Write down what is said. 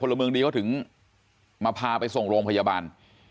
ละเมืองดีเขาถึงมาพาไปส่งโรงพยาบาล